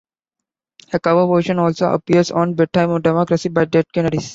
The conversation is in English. A cover version also appears on "Bedtime for Democracy" by Dead Kennedys.